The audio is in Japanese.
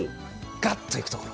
ガッて行くところ。